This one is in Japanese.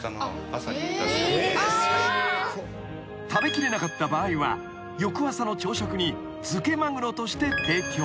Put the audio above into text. ［食べきれなかった場合は翌朝の朝食に漬けマグロとして提供］